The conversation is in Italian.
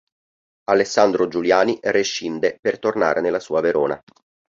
Alessandro Giuliani rescinde per tornare nella sua Verona.